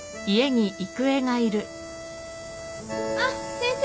あっ先生。